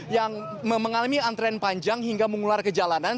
yang mengalami antrean panjang hingga mengular ke jalanan